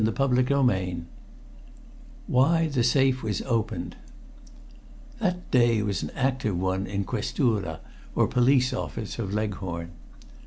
CHAPTER II WHY THE SAFE WAS OPENED That day was an active one in Questura, or police office, of Leghorn.